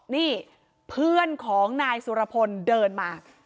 นี่เพื่อนของนายสุรพลเดินมา